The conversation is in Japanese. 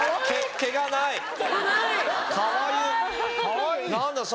毛がない！